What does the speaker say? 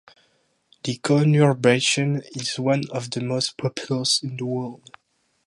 The conurbation is one of the most populous in the world.